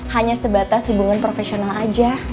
hanya sebatas hubungan profesional aja